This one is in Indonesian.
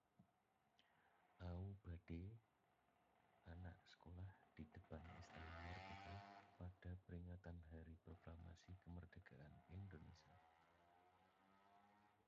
aubade anak sekolah di depan Istana Merdeka pada peringatan Hari Proklamasi Kemerdekaan Indonesia